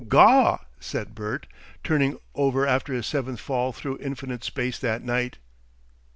"Gaw!" said Bert, turning over after his seventh fall through infinite space that night.